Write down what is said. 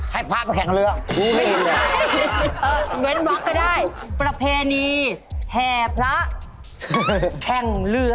ให้พระไปแข่งเรือไม่เคยเห็น